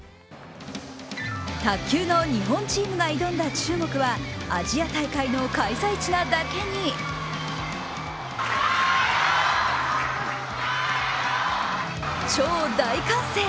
卓球の日本チームが挑んだ中国はアジア大会の開催地なだけに超大歓声。